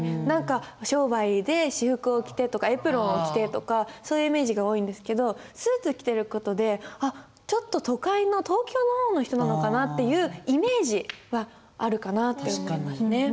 何か商売で私服を着てとかエプロンを着てとかそういうイメージが多いんですけどスーツ着てる事で「あっちょっと都会の東京の方の人なのかな」っていうイメージはあるかなって思いますね。